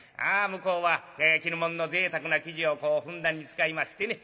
向こうは絹物のぜいたくな生地をふんだんに使いましてね